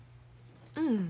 うん。